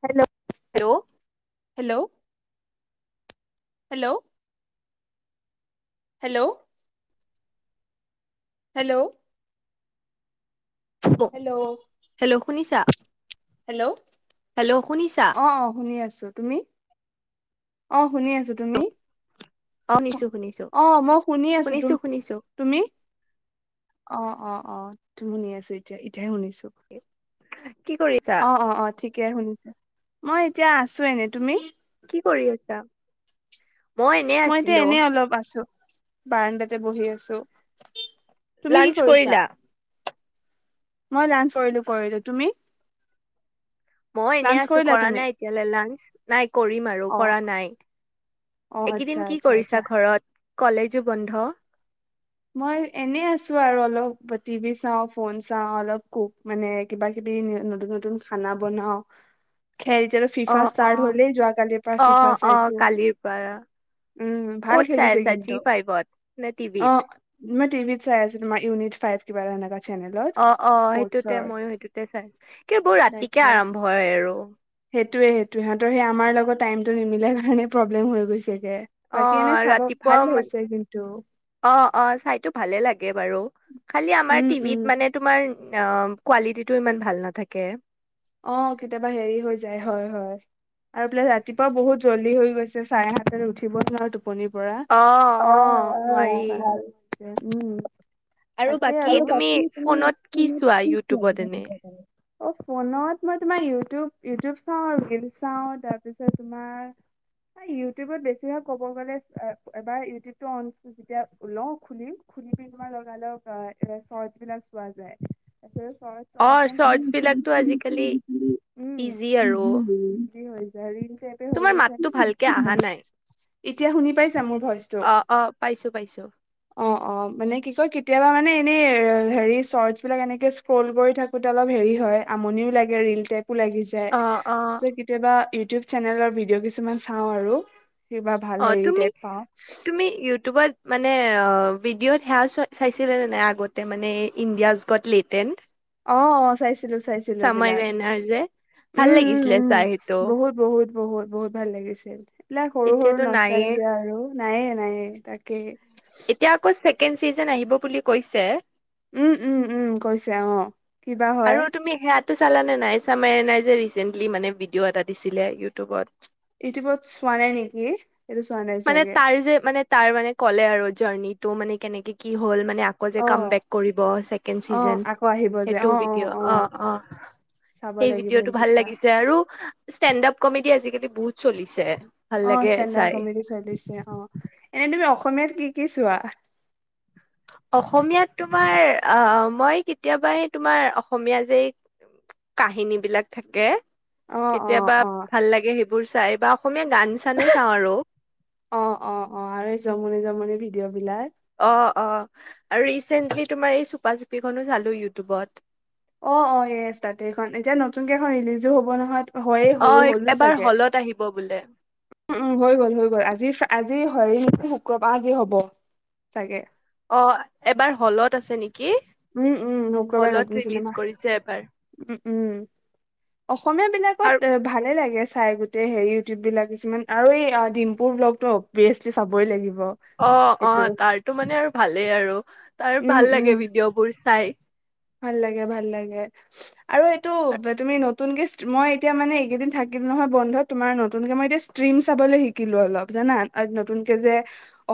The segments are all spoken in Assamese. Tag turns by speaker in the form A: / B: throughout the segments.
A: Hello,
B: hello,
A: hello, - hello, hello, hello, hello,
B: hello শুনিছা
A: -হেল্ল',
B: হেল্ল' শুনিছা
A: অ -অ শুনি আছো তুমি? অহ ', শুনি আছো তুমি
B: অ শুনিছো শুনিছো
A: অ', মই শুনি আছো
B: শুনিছো শুনিছো
A: তুমি? অ', - অ', - অ', - তো শুনি আছো এতিয়া এতিয়াহে শুনিছো।
B: [unintelligible]
A: অ-অ-অ ঠিকে শুনিছে, মই এতিয়া আছোঁ এনেই তুমি?
B: কি কৰি আছা? মই এনে
A: মইতো
B: আছিলো
A: এনে অলপ আছো। বাৰাণ্ডাতে বহি আছো। তুমি কি
B: লাঞ্চ
A: কৰিছা
B: কৰিলা?
A: মই লাঞ্চ কৰিলো, কৰিলো তুমি।
B: মই এনেই
A: লাঞ্চ
B: আছো,
A: কৰিলা
B: কৰা
A: তুমি
B: নাই এতিয়ালে লাঞ্চ, নাই কৰিম আৰু
A: অ
B: কৰা নাই,
A: অ আচ্ছা
B: এইকেইদিন কি
A: আচ্ছা আচ্ছা
B: কৰিছা ঘৰত? কলেজো বন্ধ।
A: মই এনেই আছো আৰু অলপ, টিভি চাওঁ, ফোন চাওঁ, অলপ কোক মানে কিবা কিবি নতুন-নতুন খানা বনাও। খেল এতিয়াটো
B: অ
A: ফিফা
B: অ
A: ষ্টাৰ্ট হলেই যোৱা কালিৰ পৰা
B: অ
A: ফিফা
B: অ
A: চাইছো,
B: কালিৰ পৰা
A: উম, ভাল
B: ক'ত চাই
A: খেলিছে
B: আছা জি
A: কিন্তু,
B: ফাইভত নে
A: অ।
B: টিভিত
A: মই টিভিত চাই আছোঁ, তোমাৰ ইউনিট ফাইভ কিবা এনেকুৱাত
B: অ- অ সেইটোতে, ময়ো সেইটোতে চাইছো, কি এইবোৰ ৰাতিকে আৰম্ভ হয় আৰু।
A: সেইটোবে- সেইটোৱে, সিহঁতৰ সেই আমাৰ লগত টাইমতো নিমিলে কাৰণে প্ৰব্লেম হৈ গৈছে।
B: অ
A: বাকী, এনে চাব
B: ৰাতিপুৱা
A: ভাল
B: মানে
A: হৈছে কিন্তু।
B: অ', অ, চাইটো ভালে লাগে বাৰু, খালী আমাৰ
A: উম উম
B: টিভিত মানে তোমাৰ। উম, আ, কুৱালিতিটো ইমান ভাল নাথাকে।
A: অ, কেতিয়াবা হেৰি হৈ যায়, হয়- হয় আৰু এফালে ৰাতিপুৱাও বহুত জল্দি হৈ গৈছে, চাৰে সাত তাত উঠিব নোৱাৰোটো। টোপনিৰ পৰা,
B: অ', অ', নোৱাৰি।
A: অ-অ, উম তাকে
B: বাকী
A: আৰু
B: তুমি ফোনত কি চোৱা ইউটিউবত এনে?
A: [unintelligible] অ। [unintelligible] ফোনত মই তোমাৰ ইউটিউব- ইউটিউব চাওঁ, ৰিল চাওঁ, তাৰ পিছত তোমাৰ ইউটিউবত বেছিভাগ ক'ব গ'লে এবাৰ ইউটিউবটো অন কৰি যেতিয়া লও খুলি-খুলি পিনে তোমাৰ লগা- লগ চৰ্ট বিলাক চোৱা যায়। তাৰপিছত স্বৰ্টছ অলপ
B: অ', শৰ্টচ বিলাকতো
A: টাইম।
B: আজিকালি
A: উম
B: ইজি আৰু,
A: যি হৈ যায় ৰিল টাইপে হৈ
B: তোমাৰ
A: গৈছে
B: মাতটো ভালকে আহা নাই?
A: এতিয়া শুনি পাইছা? মোৰ ভইচ টো,
B: অ', অ', পাইছো পাইছো।
A: অ- অ, মানে কি কয় কেতিয়াবা মানে এনে হেৰি চৰ্টছ বিলাক এনেকে স্ক্ৰল কৰি থাকোতে অলপ হেৰি হয়। আমনিও লাগে ৰিল টাইপ। ও লাগি যায়।
B: অ', অ',
A: চ কেতিয়াবা ইউটিউব চেনেলৰ ভিডিঅ' কিছুমান চাওঁ আৰু। কিবা ভাল
B: অ,
A: হেৰি টাইপ পাওঁ
B: তুমি-তুমি ইউটিউবত মানে, ভিডিঅ'ত সেয়া চ চাইছিলা নে নাই আগতে মানে ইণ্ডিয়াজ গট টেলেণ্ট।
A: অ-অ, চাইছিলো। চাইছিলো বিলাক,
B: ৰেনাৰ যে ভাল লাগিছিলে
A: উম-উম-উম,
B: চাই সেইটো।
A: বহুত-বহুত। বহুত-বহুত ভাল লাগিছিল। এইবিলাক সৰু-সৰু
B: এতিয়াতো
A: নষ্টাই
B: নাইয়ে
A: যোৱা আৰু নায়ে-নায়ে, তাকে
B: এতিয়া আকৌ ছেকেণ্ড চিজেন আহিব বুলি কৈছে।
A: উম-উম-উম, কৈছে অহ, কিবা হয়।
B: চালা নে নাই, চামেৰেনে যে ৰিচেন্টলি মানে ভিডিঅ' এটা দিছিলে ইউটিউবত।
A: ইউটিউবত চোৱা নাই নেকি? এইটো চোৱা নাই
B: মানে
A: চাগে
B: তাৰ যে মানে তাৰ মানে ক'লে আৰু জাৰ্নিটো মানে কেনেকৈ কি হল মানে আকৌ যে
A: অ
B: কামবেক কৰিব ছেকেণ্ড
A: অ
B: চিজন
A: আকৌ আহিব যে অ
B: সেইটো ভিডিঅ অ অ
A: চাব
B: সেই
A: লাগিব
B: ভিডিঅটো ভাল
A: সেইকেইটা
B: লাগিছে আৰু ষ্টেণ্ড আপ কমেডি আজিকালি বহুত চলিছে ।
A: অ ষ্টেণ্ড আপ কমেদি চলিছে অ এনে তুমি অসমীয়াত কি কি চোৱা?
B: অসমীয়াত তোমাৰ অ মই কেতিয়াবা এ তোমাৰ অসমীয়া যে কাহিনী বিলাক থাকে
A: অ অ
B: কেতিয়াবা
A: অ
B: ভাল লাগে সেইবোৰ বোৰ চাই বাও অসমীয়া গান চানে চাওঁ আৰু
A: অ অ অ আৰু এই জমনি জমনি ভিডিঅ বিলাক
B: অ', অ', আৰু ৰিচেন্টলি তোমাৰ এই চুপা চুপিখনো চালো ইউটিউবত
A: অ অ এই তাতেখন এতিয়া নতুনকে এখন ৰিলিজো হব নহয় হয় হয়ে
B: অ',
A: হ'লো
B: এবাৰ
A: চাগে
B: হলত আহিব বোলে
A: উ উ হৈ গ'ল হৈ গল আজি আজি হয়ে নেকি শুক্ৰবাৰ আজি হ'ব চাগে
B: অ এবাৰ হলত আছে নেকি
A: উম উম শুক্ৰবাৰে
B: হলত
A: নতুন
B: ৰিলিজ
A: চিনেমা
B: কৰিছে এবাৰ
A: উম উম অসমীয়া
B: আৰু
A: বিলাকত এ ভালে লাগে চাই গোটেই হেৰি ইউটিউব বিলাক কিছুমান আৰু এই ডিম্পুৰ ব্লগতটো অবেচলি চাবই লাগিব
B: অ অ
A: সেইটো
B: তাৰতো মানে আৰু ভালেই আৰু তাৰ
A: উম,
B: ভাল
A: উম।
B: লাগে ভিডিঅ' বোৰ তাই
A: ভাল লাগে ভাল লাগে আৰু এইটো তুমি নতুনকে মই এতিয়া মানে এইকেইদিন থাকিল নহয় বন্ধ তোমাৰ নতুনকে মই এতিয়া ষ্টিম চাবলৈ শিকিলো অলপ জানা নতুনকে যে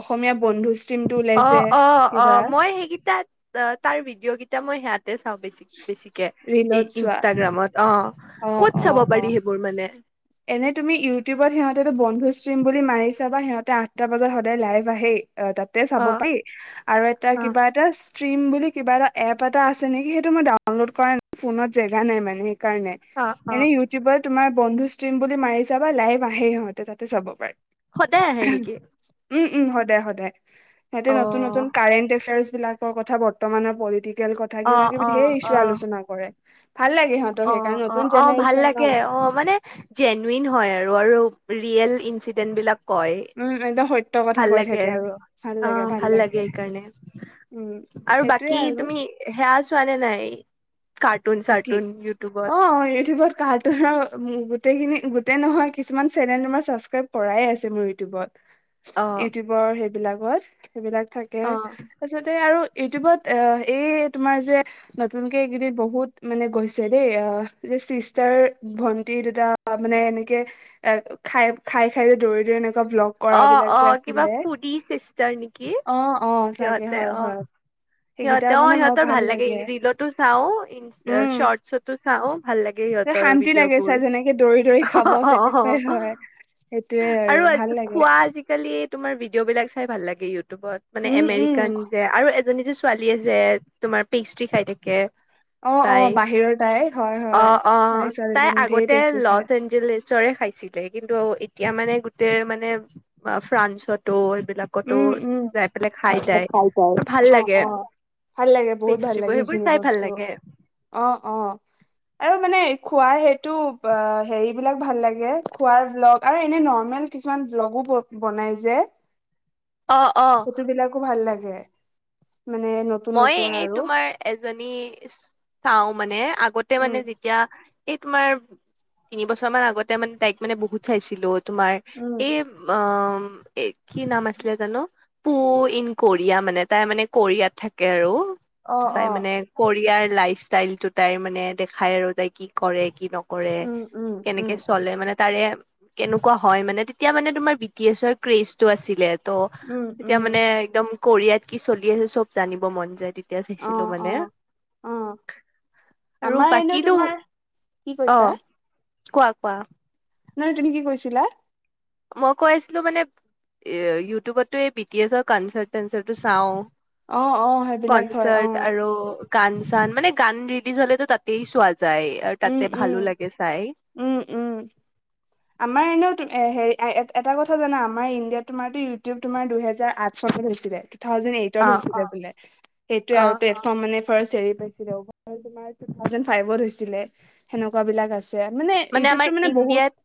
A: অসমীয়া বন্ধু ষ্ট্ৰীমটো
B: অ
A: ওলাইছে
B: অ অ
A: কিবা
B: মই সেইকেইটাত তাৰ ভিডিঅ' কেইটা মই সেয়া চাওঁ বেছি বেছিকে এই
A: ৰিলত চোৱা
B: ইনষ্টাগ্ৰামত অ
A: অ',
B: ক'ত চাব
A: অ',
B: পাৰি
A: অ'।
B: সেইবোৰ মানে হয়
A: এনে তুমি ইউটিউবত সিহঁত তাতে বন্ধু ষ্ট্ৰীম বুলি মাৰি ছাবা সিহঁতে আঠটা বজাত সদায় লাইভ আহেই অ তাতে চাব
B: অ',
A: পাৰি আৰু এটা
B: অ',
A: কিবা এটা ষ্ট্ৰিম বুলি কিবা এটা এপ এটা আছে নেকি সেইটো মই ডাউনলোড কৰা নাই ফোনত জেগা নাই মানে দেই কাৰণে
B: অ', অ'।
A: এনে ইউটিউবৰ তোমাৰ। বন্ধু ষ্টিম বুলি মাৰি চাবা লাইভ আহে সিহঁতে তাতে চাব পাৰি
B: সদায় আহে নেকি?
A: উম-উম, সদায়-সদায় ইহতে নতুন- নতুন
B: অ',
A: কাৰেণ্ট-এফেয়াৰচ বিলাকৰ কথা বৰ্তমানৰ পলিটিক, কথা কিবা-কিবি সেই ধেৰ ইচু আলোচনা কৰে। ভাল লাগে সিহঁতক সেইকাৰণে নতুন
B: অ'-অ'-অ' ভাল
A: জেনেৰেশ্যন ন
B: লাগে অ', মানে- জেনুইন হয়', আৰু -আৰু ৰিয়েল- ইনঞ্চিডেণ্টবিলাক,
A: উম ', একদম সত্য, কথা
B: ভাল
A: কৈ
B: লাগে,
A: থাকে আৰু ভাল লাগে
B: অ', ভাল লাগে, এইকাৰণে
A: উম
B: আৰু
A: সেইটোয়ে
B: বাকী
A: আৰু
B: তুমি সেয়া চোৱা নে নাই, কাৰ্টুন
A: কি
B: চাৰ্টুন ইউটিউবত
A: অ', ইউটিউবত কাৰ্টুন আৰু গোটেইখিনি -গোটেই নহয় কি', কিছুমান চেনেলটো মই ছাবস্ক্ৰাইব কৰাই আছে মোৰ ইউটিউবত।
B: অ',
A: ইউটিউবৰ সে, বিলাকত, সেইবিলাক থাকে
B: অ',
A: তাৰপিছত, আৰু ইউটিউবত এ', এই তোমাৰ যে, নতুনকে এইকেইদিন বহুত মানে গৈছে দেই অ ', যে ', চিষ্টাৰ- ভন্টি দুতা মানে এনেকে অ', খাই-খাই- খাই যে দৌৰি দৌৰি এ',
B: অ', অ' কিবা ফুডী-চিষ্টাৰ নেকি
A: অ অ চাগে
B: সিহঁতে
A: হয়
B: অ',
A: হয় সেইকেইটা
B: সিহঁতে অ',
A: মানে বৰ
B: সিহঁতৰ ভাল লাগে ৰিলতো চাও ইনচ শৰ্টছঅতো, [unintelligible]
A: যে', শান্তি লাগে চাই যেনেকে দৌৰি-দৌৰি খাব
B: অ', অ',
A: চেটিছফাইদ
B: অ
A: হয় সেইটোয়ে আৰু ভাল- লাগে
B: খোৱা আজিকালি তোমাৰ ভিডিঅ, ' বিলাক চাই ভাল লাগে। [unintelligible] মানে
A: উম উম
B: এমেৰিকান যে ', আৰু এজনী যে, ছোৱালীয়ে যে', তোমাৰ পেষ্ট্ৰি খাই থাকে,
A: অ অ
B: তাই
A: বাহিৰৰ তাই হয় হয়
B: অ'- অ' তাই
A: ছোৱালীজনী ধেৰ
B: আগতে
A: বেছি খায়
B: লছ-এঞ্জেলিছৰে খাইছিলে কিন্তু, এতিয়া মানে, গোটেই মানে, বা ফ্ৰান্সতো, এইবিলাকতো
A: উম-উম
B: যাই পেলাই তাই
A: খাই পাই
B: আৰু ভাল
A: অ',
B: লাগে
A: -অ' ভাল লাগে, বহুত ভাল
B: পেষ্ট্ৰিবোৰ
A: লাগে,
B: সেইবোৰ
A: সেইখিনি
B: চাই ভাল
A: বস্তু
B: লাগে
A: অ'- অ' আৰু মানে খোৱাৰ সেইটো হেৰি বিলাক ভাল লাগে, খোৱাৰ -ভল্গ আৰু এনে নৰ্মেল কিছুমান ভ্লগো বনাই যে
B: অ অ
A: ফতুবিলাকো ভাল লাগে। [unintelligible] নতুন
B: মই,
A: নতুন
B: এই
A: আৰু
B: তোমাৰ এজনী চাও। মানে আগতে মানে
A: উম
B: যেতিয়া এই তোমাৰ, তিনি বছৰ মান আগতে মানে, তাইক মানে, বহুত চাইছিলোঁ। তোমাৰ,
A: উম
B: এই অ' কি নাম আছিলে জানো, পু ইন কৰিয়া, মানে তাই মানে কৰিয়াত থাক কে আৰু।
A: অ
B: তাই
A: অ
B: মানে কৰিয়াৰ। লাইফ ষ্টাইল টো তাইৰ মানে দেখাই আৰু তাই কি কৰে, কি নক কৰে,
A: উম উম উম
B: ‌কেনেকে চলে মানে তাৰে কেনেকুৱা হয় মানে, তেতিয়া মানে তোমাৰ বি টি এছৰ ক্ৰেজটো আছিলে। ত'
A: উম
B: ততিয়া
A: উম
B: মানে একদম কোৰিয়াত কি চলি আছে চব জানিব মন যায়। তেতিয়া
A: অ
B: চাইছিলো
A: অ
B: মানে,
A: অ
B: আৰু
A: আমাৰ এনেও
B: বাকীতো
A: তোমাৰ কি কৈছা
B: অ' কোৱা, ‌ কোৱা।
A: না, না তুমি কি কৈছিলা?
B: মই কৈ আছিলো মানে, ইউটিউবতো এই বি টি এছৰ কনচাৰ্ট চনচাৰ্টু চাওঁ।
A: অ' অ' সেইবিলাক হয়, অ।
B: কনচাৰ্ট আৰু গান চান, মানে গান ৰিলিজ হ'লেতো তাতেই ছোৱালী
A: উম! উম! উম উম! আমাৰ এনেও, এ হেৰি এটা কথা জানা আমাৰ ইণ্ডিয়াত তোমাৰটো ইউটিউব, তোমাৰ দুহেজাৰ আঠ চনত হৈছিলে। টু থাউজেণ্ড এইটত
B: অ',
A: হৈছিলে বোলে, সেইটোয়ে আৰু
B: অ'।
A: প্লেটফৰ্ম মানে ফাৰষ্ট হেৰি, [unintelligible] ফাইভত হৈছিলে। সেনেকুৱা বিলাক আছে।
B: মানে আমাৰ‌ ইণ্ডিয়াত,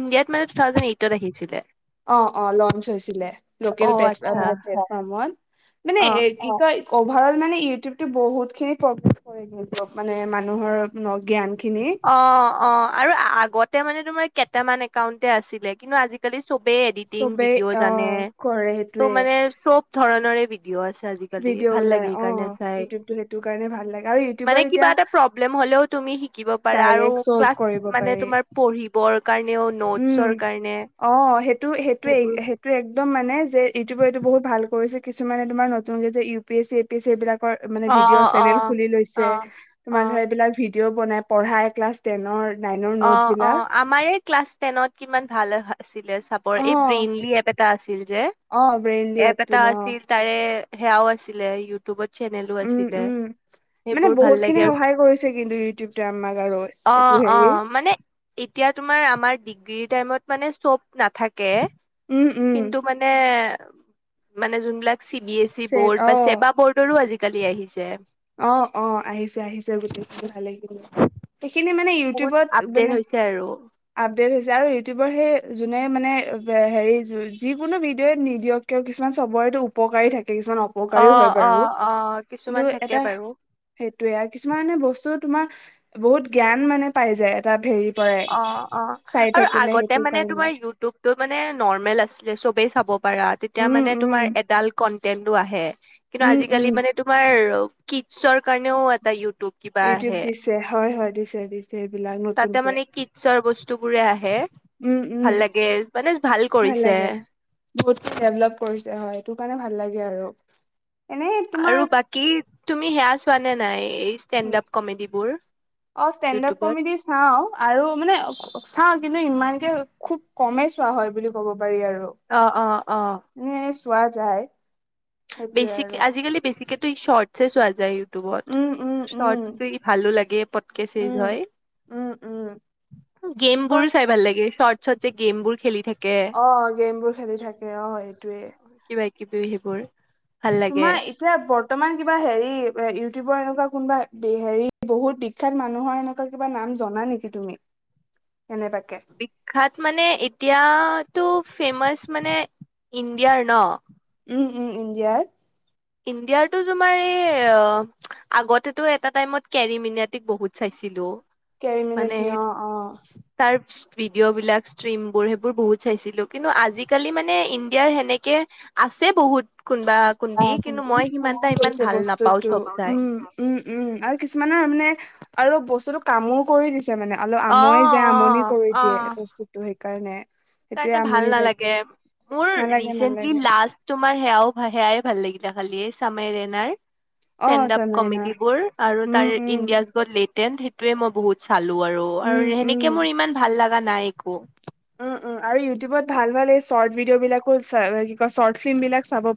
B: ইণ্ডিয়াত, মানে টু থাউজেণ্ড এইট ত আহিছিলে।
A: অ' অ' লঞ্চ হৈছিলে, লোকেল
B: অ', আচ্ছা।
A: প্লেটফৰ্মত, মানে
B: অ'।
A: কি কয় অভাৰল মানে ইউটিউব টো বহুত খিনি, [unintelligible] মানে মানুহৰ জ্ঞান। খিনি
B: অ' অ' আৰু আগত তেতিয়া মানে তোমাৰ কেটামান একাউণ্টে আছিলে, কিন্তু আজিকালি চব বে এডিটিং
A: চবেই
B: ভিডিঅ'
A: অ
B: জানে,
A: কৰে
B: ত'
A: সেইটোৱে
B: মানে চব ধৰণৰে ভিদিঅ আছে আজিকালি,
A: ভিডিঅ'
B: ভাল
A: ওলাই
B: লাগে
A: অ
B: সেইকাৰণে চাই,
A: ইউটিউবটো সেইটো কাৰণে ভাল লাগে আৰু
B: মানে
A: ইউটিউবত
B: কিবা
A: এতিয়া
B: এটা প্ৰব্লেম হ'লেও তুমি ব পাৰা আৰু
A: ডাইৰেক্ট চল্ভ
B: ক্লাছ
A: কৰিব
B: মানে
A: পাৰি
B: তোমাৰ পঢ়িবৰ কাৰণেও,
A: উম
B: ন'টচৰ কাৰণে
A: অ সেইটো সেইটোৱে সেইটো একদম মানে যে ইটোবো এইটো বহুত ভাল কৰিছিল কিছুমানে তোমাৰ কংগ্ৰেছে E P S C A P S এইবিলাক মানে
B: অ
A: ভিডিঅ
B: অ
A: চেনেল খুলি লৈছে
B: অ অ
A: তোমাৰ ধৰা এইবিলাক ভিডিঅ' বনাই পঢ়াই ক্লাছ টেনৰ নাইনৰ
B: অ
A: নোটছ
B: অ
A: বিলাক
B: আমাৰে ক্লাছ টেনত কিমান ভাল হয় চাপৰ
A: অ
B: এই ব্ৰেইনলি এপ এটা আছিল যে
A: অ ব্ৰেইনলি
B: এপ
A: এপটো
B: এটা
A: ন
B: আছিল তাৰে হেয়া‌ ও‌ আছিলে ইউটুবত
A: উম উম মানে
B: ভাল
A: বহুত খিনি
B: লাগে আৰু
A: সহায় কৰিছে কিন্তু ইউটিউব টোৱে আমাক আৰু
B: অ
A: এইটো
B: অ
A: হেৰি
B: এতিয়া তোমাৰ আমাৰ ডিগিৰি টাইম ত মানে চব নাথাকে
A: উম উম
B: তাকে কিন্তু মানে মানে যোনবিলাক চি বি এছ ই
A: চে
B: বৰ্ড বা
A: অ
B: ছেবা বৰ্ডৰো আজিকালি আহিছে
A: অ অ আহিছে আহিছে গোটেইখিনি ভালে খিনি সেইখিনি মানে
B: বহুত
A: ইউটিউবত
B: আপডেট
A: মানে
B: হৈছে আৰু
A: আপডেট হৈছে আৰু ইউটিউবৰ সেই যোনে মানে হেৰি যিকোনো ভিডিঅ' নিদিয়ক কিয় কিছুমান চবৰেটো উপকাৰী থাকে কিছুমান
B: অ
A: অপকাৰীও হয়
B: অ
A: বাৰু
B: অ
A: কিন্তু
B: কিছুমান থাকে
A: এটা
B: বাৰু
A: সেইটোয়ে আৰু কিছুমানে বস্তু তোমাৰ বহুত জ্ঞান মানে পাই যায় এটা ভেৰিত ।
B: অ অ আৰু আগতে মানে
A: কাৰণে
B: তোমাৰ ইউটিউব মানে নৰ‌মেল আছিলে চবেই চাব পাৰা তেতিয়া
A: উম
B: মানে
A: উম
B: তোমাৰ এডাল কণ্টেন্টো আহে কিন্তু
A: উম উম
B: আজিকালি মানে তোমাৰ চৰ কাৰণেও এটা ইউটিউব কিবা
A: ইউটিউব
B: আহে
A: দিছে হয় হয় দিছে দিছে এইবিলাক
B: তাতে
A: নতুনকে
B: মানে কিটছৰ বস্তু বস্তুবোৰে আহে
A: উম উম
B: ভাল লাগে মানে
A: ভাল লাগে
B: কৰিছে।
A: বহুত ডেভলপ কৰিছে হয় সেইটো কাৰণে ভাল লাগে আৰু এনেই তোমাৰ
B: আৰু বাকী তুমি সেয়া পোৱা নে নাই এই ষ্টেণ্ড আপ কমেডিবোৰ
A: অ' ষ্টেণ্ড-আপ
B: ইউটিউবত?
A: কমেডি চাওঁ আৰু মানে চাওঁ কিন্তু ইমান এয়া খুব কমেই চোৱা হয় বুলি ক'ব পাৰি আৰু
B: অ, '-অ, '-অ ।
A: এনে চোৱা যায় ।
B: বেছিকে আজিকালি বেছিকেতো ইশ্বৰ্ট চোৱা যায় । হোৱাট
A: উম উম
B: শ্বৰ্ট
A: উম
B: পিন্ধি ভালো লাগে পটকে চেচ
A: উম
B: হয়
A: উম উম
B: ।
A: কি
B: গেম বোৰ
A: কয়
B: চাই ভাল লাগে শ্বৰ্ট শ্বৰ্ট যে গেমবোৰ খেলি থাকে
A: অ' গেমবোৰ খেলি থাকে অ' সেইটোয়ে।
B: কিবা কিবি সেইবোৰ ।
A: তোমাৰ এতিয়া বৰ্তমান কিবা হেৰি ইউটিউবৰ এনে কোনোবা কোনোবা হেৰি বহুত বিখ্যাত মানুহৰ এনেকুৱা কিবা নাম জনা নেকি তুমি? কেনেবাকে
B: বিখ্যাত মানে এতিয়া টো ফেমাচ মানে ইণ্ডিয়াৰ ন'
A: উম-উম ইণ্ডিয়াৰ
B: ইণ্ডিয়াৰটো তোমাৰ এই আগতেতো এটা টাইমত কেৰি মিনিতিক বহুত চাইছিলো। মানে
A: কেৰিমিনতি অ', - অ' ।
B: তাৰ ভিডিঅ' বিলাক ষ্ট্ৰিম বোৰ সেইবোৰ বহুত চাইছিলো । কিন্তু আজিকালি মানে ইণ্ডিয়াৰ সেনেকে আছে বহুত কোনবা, কোনবি ।
A: মন গৈছে বস্তুটো
B: চাই
A: উম-উম-উম আৰু কিছুমানৰ মানে আৰু বস্তুতটো কামো কৰি দিছোঁ‌ । মানে অলপ
B: অ
A: আমুৱাই যায়
B: অ
A: আমনি কৰি দিয়ে বস্তুটো সে কাৰণে ।
B: সেই কাৰণে ভাল নালাগে । মোৰ
A: নালাগে
B: ৰিচেন্টলি
A: নালাগে
B: লাষ্ট তোমাৰ সেয়াও হয়, সেয়াই ভাল লাগিলে খালি এই চামেৰেনাৰ
A: অ
B: ষ্টেণ্ড আপ
A: চনাইনা
B: কমেডিবোৰ আৰু
A: উম
B: তাৰ
A: উম
B: ইণ্ডিয়া গট-লেট । দেন সেইটোৱে মই বহুত চালো আৰু
A: উম
B: আৰু
A: উম
B: সেনেকে মোৰ ইমান ভাল লাগা নাইকো
A: উম-উম আৰু ইউটিউবত ভাল, ভাল এই শ্বৰ্ট ভিডিঅ' বিলাকো কি কয় শ্বৰ্ট ফিল্ম বিলাক চাব পা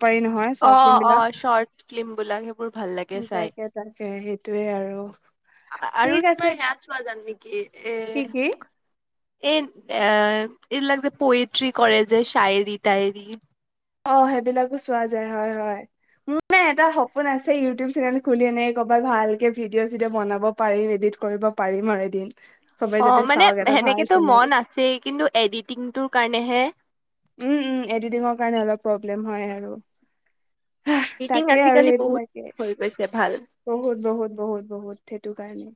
B: অ, '-অ' শ্বৰ্টছ ফিল্ম বিলাক সেইবোৰ ভাল লাগে চাই
A: তাকে তাকে সেইটোয়ে আৰু ঠিক
B: আৰু
A: আছে
B: তোমাৰ সেয়া চোৱা যাম নেকি
A: কি কি
B: এ এই এইবিলাগ যে পয়ট্ৰি কৰে যে শ্বায়েৰী-টায়েৰী
A: অ' সেইবিলাকো চোৱা যায় হয়-হয়। মোৰ এটা সপোন আছে ইউটিউব চেনেল খুলি আনে ক'বাত ভালকে ভিডিঅ'-চিডিঅ' বনাব পাৰিম, এডিট কৰিব পাৰিম আৰু এদিন চবে যাতে
B: অ' মানে
A: চাওক এটা ভাল
B: সেনেকেতো
A: চেনেল
B: মন আছেই কিন্তু এডিটিংটোৰ কাৰণেহে
A: উম উম এডিনৰ কাৰণে অলপ প্ৰব্লেম হয় আৰু হাহ,
B: মিটিং
A: তাকে আৰু
B: আজিকালি বহুত
A: সেইবিলাক
B: হৈ গৈছে ভাল।
A: বহুত বুত বহুত বহুত বহুত সেইটো কাৰণে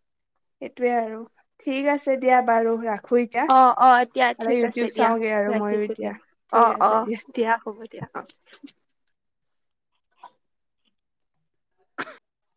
A: সেইটোয়ে আৰু ঠিক আছে দিয়া বাৰু ৰাখো এতিয়া
B: অ' অ' দে এতিয়া
A: আৰু
B: ঠিক আছে
A: ইউটিউব
B: দিয়া
A: চাওঁগে আৰু মইো
B: ৰাখিছো
A: এতিয়া
B: দিয়া
A: ঠিক
B: অ'
A: আছে
B: অ' দিয়া হ'ব দিয়া অ'
A: [unintelligible]